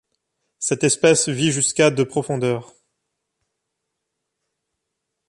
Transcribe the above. Cette espèce vit jusqu'à de profondeur.